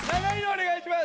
お願いします